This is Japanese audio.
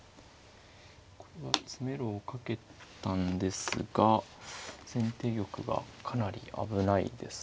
これは詰めろをかけたんですが先手玉がかなり危ないです。